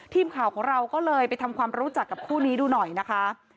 ทีมข่าวของเราก็เลยไปทำความรู้จักกับคู่นี้ดูหน่อยนะคะ